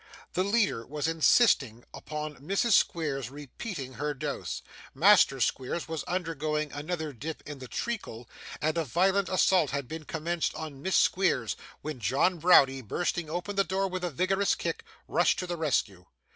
The leader was insisting upon Mrs. Squeers repeating her dose, Master Squeers was undergoing another dip in the treacle, and a violent assault had been commenced on Miss Squeers, when John Browdie, bursting open the door with a vigorous kick, rushed to the rescue.